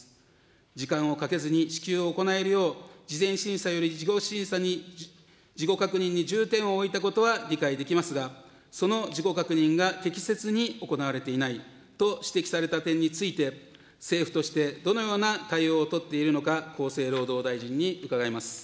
時間をかけずに支給を行えるよう事前審査より事後審査に、事後確認に重点を置いたことは理解できますが、その事後確認が適切に行われていないと指摘された点について、政府としてどのような対応を取っているのか厚生労働大臣に伺います。